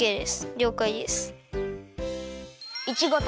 りょうかいです。